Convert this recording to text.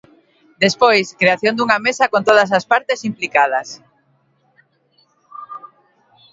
Despois, creación dunha mesa con todas as partes implicadas.